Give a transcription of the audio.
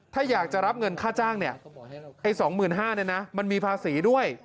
ถ้าอยากจะรับเงินค่าจ้าง๒๕๐๐บาทมันมีภาษีด้วย